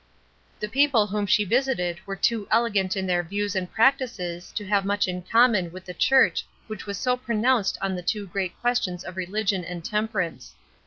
The people whom she visited were too elegant in their views and practices to have much in common with the church which was so pronounced on the two great questions of religion and temperance.